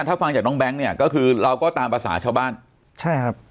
ถ้าฟังจากน้องแบงค์เนี่ยก็คือเราก็ตามภาษาชาวบ้านใช่ครับ